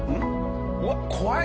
うわっ怖い！